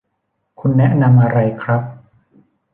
คุณแนะนำอะไรครับ